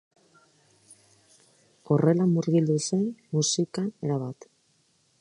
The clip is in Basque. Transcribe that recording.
Horrela murgildu zen musikan erabat.